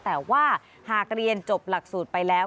แต่ว่าหากเรียนจบหลักสูตรไปแล้ว